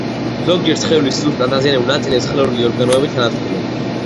ზოგჯერ სხეულის სუსტ ან დაზიანებულ ნაწილებს ხელოვნური ორგანოებით ანაცვლებენ.